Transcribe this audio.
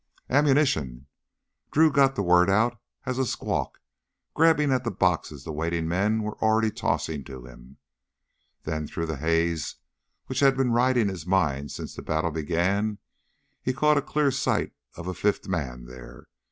"Ammunition!" Drew got the word out as a squawk, grabbing at the boxes the waiting men were already tossing to him. Then, through the haze which had been riding his mind since the battle began, he caught a clear sight of the fifth man there....